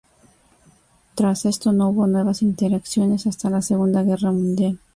Tras esto, no hubo nuevas interacciones hasta la Segunda Guerra Mundial.